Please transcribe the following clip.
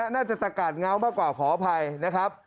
น่าจะตะกาศเงามากกว่าขออภัยนะครับ